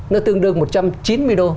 nó tương đương một trăm chín mươi đô